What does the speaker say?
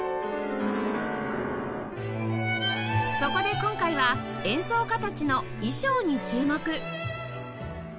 そこで今回は演奏家たちの衣装に注目！